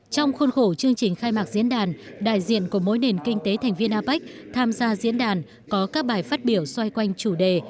trong khuôn khổ chương trình khai mạc diễn đàn đại diện của mỗi nền kinh tế thành viên apec tham gia diễn đàn có các bài phát biểu xoay quanh chủ đề